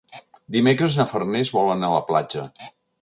Dimecres na Farners vol anar a la platja.